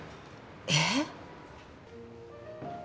えっ？